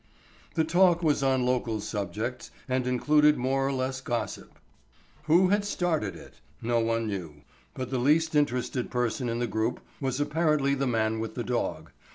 The talk was on local subjects and included more or less gossip. Who had started it? No one knew; but the least interested person in the group was apparently the man with the dog.